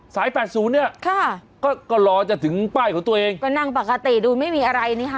แปดศูนย์เนี่ยค่ะก็ก็รอจะถึงป้ายของตัวเองก็นั่งปกติดูไม่มีอะไรนี่ค่ะ